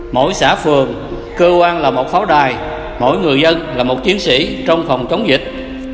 mỗi xã phường cơ quan là một pháo đài mỗi người dân là một chiến sĩ trong phòng chống dịch